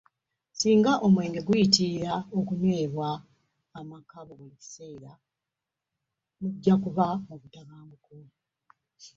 Singa omwenge guyitirira okunywebwa amaka buli kaseera mujja kuba mu butabanguko.